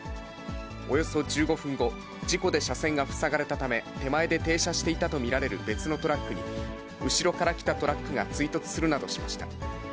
およそ１５分後、事故で車線が塞がれたため、手前で停車していたと見られる別のトラックに、後ろから来たトラックが追突するなどしました。